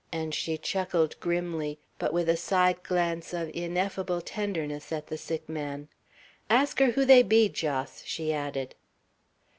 and she chuckled grimly, but with a side glance of ineffable tenderness at the sick man. "Ask her who they be, Jos," she added.